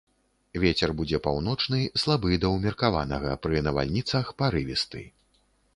Вецер будзе паўночны, слабы да ўмеркаванага, пры навальніцах парывісты.